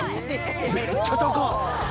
めっちゃ高っ！